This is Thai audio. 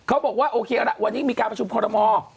เขาบอกว่าโอเคละวันนี้มีการประชุมคอรมอล์